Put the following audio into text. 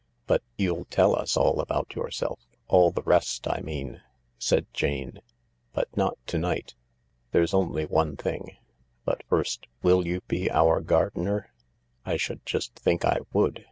" But you'll tell usallabout yourself— all the rest, I mean," said Jane j " but not to night. There's only one thing. But first, will you be our gardener ?"" I should just think I would.